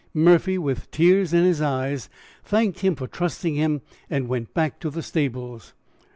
"Murphy, with tears in his eyes, thanked him for trusting him, and went back to the stables.